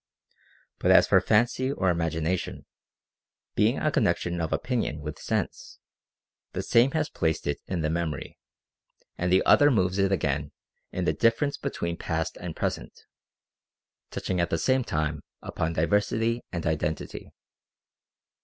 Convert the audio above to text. But as for fancy or imagination, being a connection of opinion with sense, the Same has placed it in the memory ; and the Other moves it again in the difference between past and present, touching at the same time upon diversity and identity.